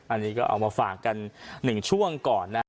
อันนี้ก็เอามาฝากกัน๑ช่วงก่อนนะ